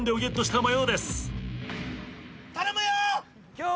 頼むよ！